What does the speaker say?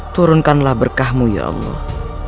turunkanlah berkahmu ya allah